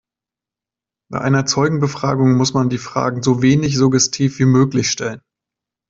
Bei einer Zeugenbefragung muss man die Fragen so wenig suggestiv wie möglich stellen.